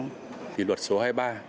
cảm thấy rất nhanh nhẹn